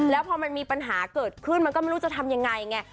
แล้วพอมันมีปัญหาเกิดขึ้นมันก็ไม่รู้จะทำยังไงไง